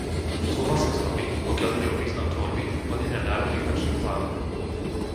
Súhlasím s Vami, pokiaľ ide o význam tvorby a plnenia národných akčných plánov.